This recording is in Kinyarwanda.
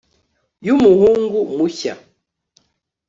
yumuhungu mushya